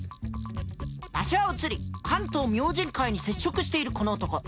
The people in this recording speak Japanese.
場所は移り関東明神会に接触しているこの男。